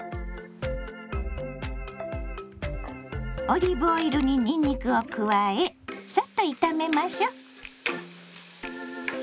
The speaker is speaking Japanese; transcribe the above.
オリーブオイルににんにくを加えさっと炒めましょ。